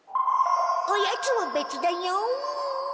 おやつはべつだよ！